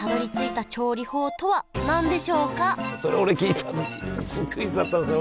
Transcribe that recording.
それ俺聞いたのにクイズだったんですね